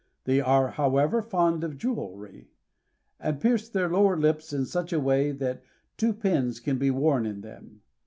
They are, however, fond of jewelry, and pierce their lower lips in such a way that two pins can be worn in them.